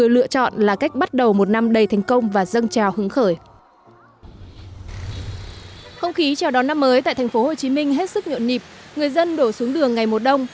lễ hội thành phố hồ chí minh hết sức nhộn nhịp người dân đổ xuống đường ngày một đông